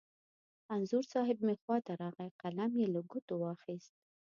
انځور صاحب مې خوا ته راغی، قلم یې له ګوتو واخست.